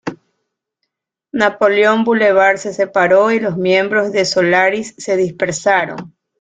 Napoleon Boulevard se separó y los miembros de Solaris se dispersaron.